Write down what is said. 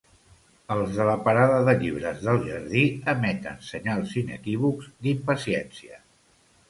Els de la parada de llibres del jardí emeten senyals inequívocs d'impaciència.